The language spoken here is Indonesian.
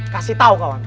kasih tau kawan